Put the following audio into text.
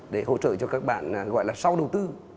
để hỗ trợ cho các bạn gọi là sau đầu tư